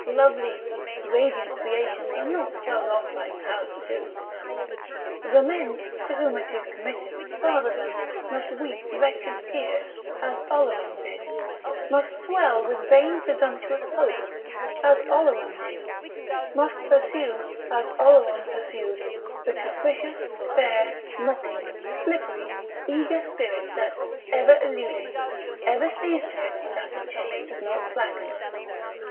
Lovely radiant creations are not thrown off like How d'ye do's. The men to whom it is committed to father them must weep wretched tears, as Oleron did, must swell with vain presumptuous hopes, as Oleron did, must pursue, as Oleron pursued, the capricious, fair, mocking, slippery, eager Spirit that, ever eluding, ever sees to it that the chase does not slacken.